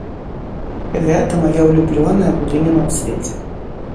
Гэта мая ўлюблёная будыніна ў свеце.